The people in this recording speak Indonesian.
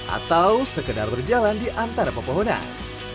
atau sekedar berjalan di antara pepohonan